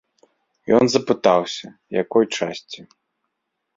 Ён запытаўся, якой часці.